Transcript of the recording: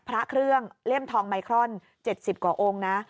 พระเครื่องเลี่ยมทองไมครอน๗๐กว่าองค์นะ